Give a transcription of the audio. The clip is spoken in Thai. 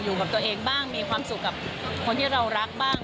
อยู่กับตัวเองบ้างมีความสุขกับคนที่เรารักบ้าง